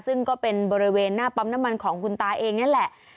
ซึ่งก็เป็นบริเวณหน้าปั๊มน้ำมันของคุณตาเองนั่นแหละ